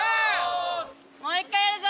もう一回やるぞ。